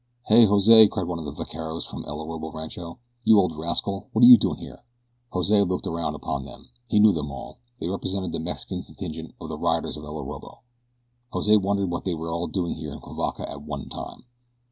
"Hey, Jose!" cried one of the vaqueros from El Orobo Rancho; "you old rascal, what are you doing here?" Jose looked around upon them. He knew them all they represented the Mexican contingent of the riders of El Orobo. Jose wondered what they were all doing here in Cuivaca at one time.